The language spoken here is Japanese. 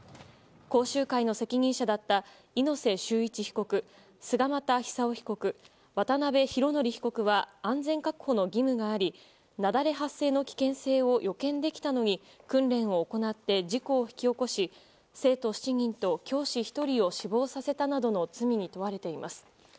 講習会の責任者だった猪瀬修一被告、菅又久雄被告渡辺浩典被告は安全確保の義務があり雪崩発生の危険性を予見できたのに訓練を行って事故を引き起こし生徒７人と教師１人を死亡させたなどの罪に問われています。